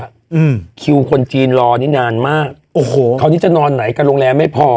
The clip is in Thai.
อืมคิวคนจีนรอนี่นานมากโอ้โหคราวนี้จะนอนไหนกับโรงแรมไม่พอ